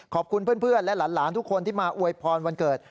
ขอบคุณเพื่อนและหลานทุกคนที่มาอวยพรวันเกิด